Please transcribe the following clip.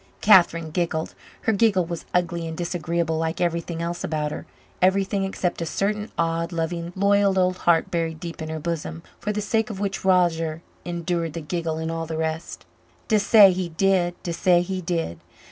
Catherine giggled. Her giggle was ugly and disagreeable like everything else about her everything except a certain odd, loving, loyal old heart buried deep in her bosom, for the sake of which Roger endured the giggle and all the rest. "Dessay he did dessay he did.